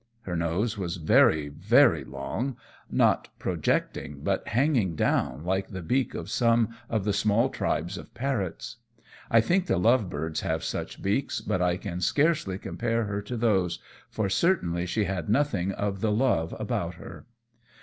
Her nose was very, very long, not projecting, but hanging down, like the beak of some of the small tribes of parrots. I think the love birds have such beaks, but I can scarcely compare her to those, for certainly she had nothing of the love about her.